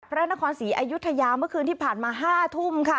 พระนครศรีอายุทยาเมื่อคืนที่ผ่านมา๕ทุ่มค่ะ